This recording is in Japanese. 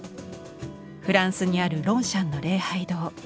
フランスにある「ロンシャンの礼拝堂」。